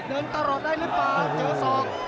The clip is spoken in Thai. เดินตลอดได้หรือเปล่าเจอศอก